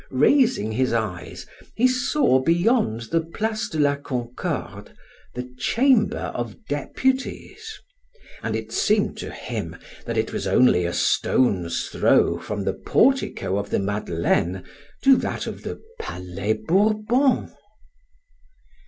Raising his eyes, he saw beyond the Place de la Concorde, the chamber of deputies, and it seemed to him that it was only a stone's throw from the portico of the Madeleine to that of the Palais Bourbon.